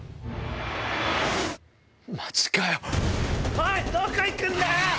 おいどこ行くんだよ！